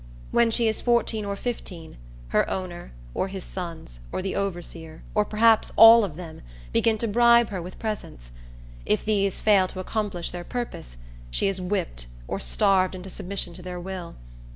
When she is fourteen or fifteen, her owner, or his sons, or the overseer, or perhaps all of them, begin to bribe her with presents. If these fail to accomplish their purpose, she is whipped or starved into submission to their will.